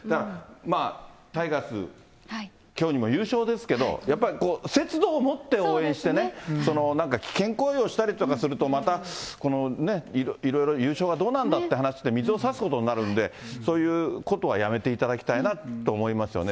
まあタイガース、きょうにも優勝ですけど、やっぱり節度を持って応援してね、なんか危険行為をしたりとかすると、またね、いろいろ優勝はどうなんだっていう話で、水をさすことになるんで、そういうことはやめていただきたいなと思いますよね。